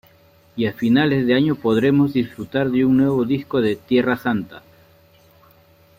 Y a finales de año podremos disfrutar de un nuevo disco de Tierra Santa.